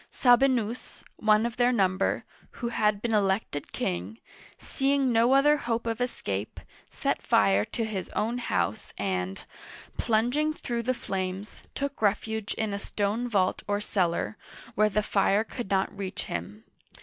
Sabi'nus, one of their number, who had been elected king, seeing no other hope of escape, set fire to his own house and, plunging through the flames, took refuge in a stone vault or cellar, where the fire could not reach him.